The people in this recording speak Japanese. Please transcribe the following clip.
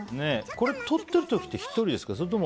これ撮っている時って１人ですか。